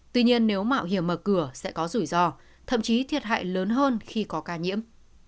tuy nhiên nếu mạo hiểm mở cửa sẽ có rủi ro thậm chí thiệt hại lớn hơn khi có ca nhiễm